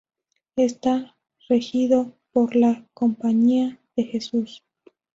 Está regido por la Compañía de Jesús.